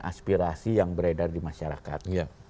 aspirasi yang beredar di masyarakat